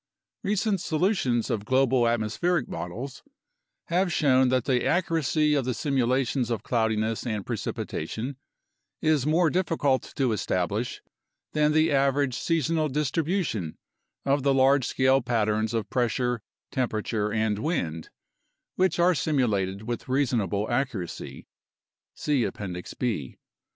Recent solutions of global atmospheric models have shown that the accuracy of the simulations of cloudiness and precipitation is more difficult to establish than the average seasonal distribution of the large scale patterns of pressure, temperature, and wind, which are simulated with reasonable accuracy (see Appendix B).